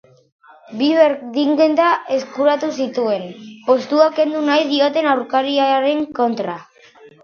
Bi berdinketa eskuratu zituen, postua kendu nahi dioten aurkarien kontra.